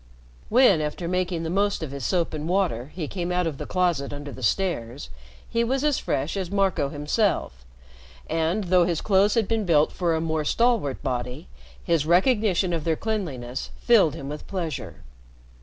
When, after making the most of his soap and water, he came out of the closet under the stairs, he was as fresh as Marco himself; and, though his clothes had been built for a more stalwart body, his recognition of their cleanliness filled him with pleasure.